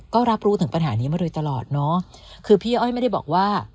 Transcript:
ก็รับรู้ถึงปัญหานี้มาโดยตลอดเนอะคือพี่อ้อยไม่ได้บอกว่า